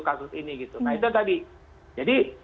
kasus ini gitu nah itu tadi jadi